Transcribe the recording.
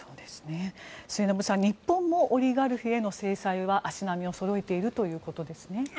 末延さん、日本もオリガルヒへの制裁は足並みをそろえているということですね。